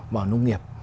vào nông nghiệp